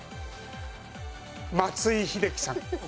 松井秀喜さん。